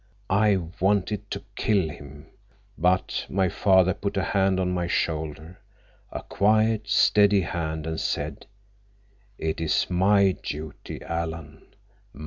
I wanted to kill him, but my father put a hand on my shoulder, a quiet, steady hand, and said: 'It is my duty, Alan.